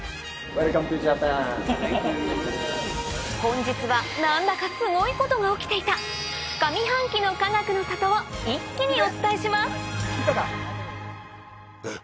⁉Ｔｈａｎｋｙｏｕ．本日は何だかすごいことが起きていた上半期のかがくの里を一気にお伝えしますえっ